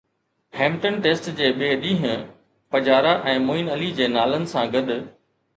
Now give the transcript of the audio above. Hampton test جي ٻئي ڏينهن پجارا ۽ معين علي جي نالن سان گڏ